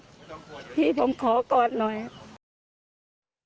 พี่ผมขอกอดหน่อย